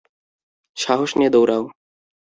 সাহস নিয়ে দৌড়াও!